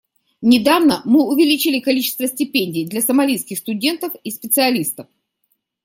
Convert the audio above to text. Недавно мы увеличили количество стипендий для сомалийских студентов и специалистов.